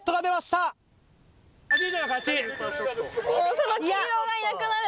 その黄色がいなくなれば。